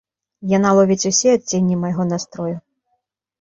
Яна ловіць усе адценні майго настрою.